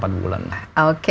tapi waktu ini kita udah udah